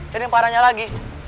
dan yang parahnya lagi